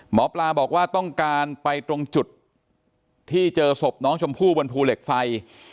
หมอปลาบอกว่าต้องการไปตรงจุดที่เจอศพน้องชมพู่บนภูเหล็กไฟ